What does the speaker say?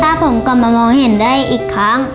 ถ้าผมกลับมามองเห็นได้อีกครั้ง